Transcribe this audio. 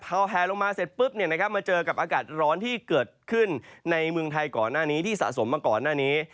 พอแผลลงมาเสร็จปุ๊บมาเจอกับอากาศร้อนที่เกิดขึ้นในเมืองไทยก่อนหน้านี้ที่สะสมมาก่อนหน้านี้